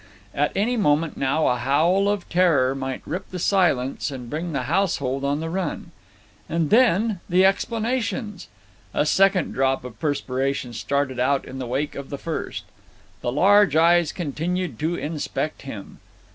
At any moment now a howl of terror might rip the silence and bring the household on the run. And then—the explanations! A second drop of perspiration started out in the wake of the first. The large eyes continued to inspect him.